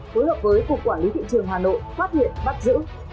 phối hợp với cục quản lý thị trường hà nội phát hiện bắt giữ